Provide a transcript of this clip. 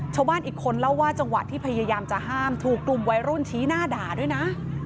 ชาวบ้านอีกคนเล่าว่าจังหวะที่พยายามจะห้ามถูกกลุ่มวัยรุ่นชี้หน้าด่าด้วยนะ